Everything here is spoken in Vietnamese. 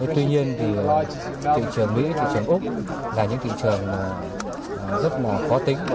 tuy nhiên thị trường mỹ thị trường úc là những thị trường rất khó tính